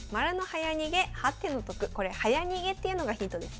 これ「早逃げ」っていうのがヒントですね。